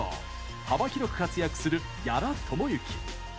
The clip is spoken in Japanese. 幅広く活躍する屋良朝幸。